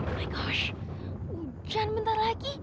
astaga hujan bentar lagi